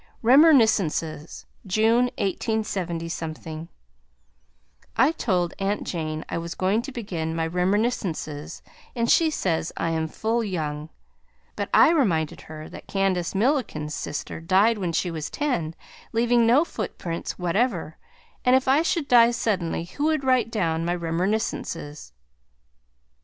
REMERNISCENCES June, 187 I told Aunt Jane I was going to begin my Remerniscences, and she says I am full young, but I reminded her that Candace Milliken's sister died when she was ten, leaving no footprints whatever, and if I should die suddenly who would write down my Remerniscences?